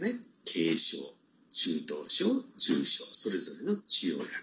軽症、中等症、重症それぞれの治療薬。